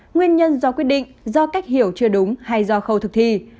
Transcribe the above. nguyên nhân do quyết định do cách hiểu chưa đúng hay do khâu thực thi